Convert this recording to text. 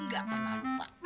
gak pernah lupa